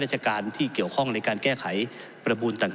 โดยเฉพาะการแก้ไขที่มีเหตุผลของการล้มประบูนเนี่ย